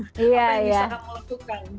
apa yang bisa kamu lakukan